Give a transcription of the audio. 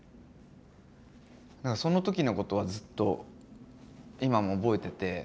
その時のことはずっと今も覚えてて。